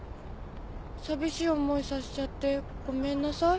寂しい思いさせちゃってごめんなさい？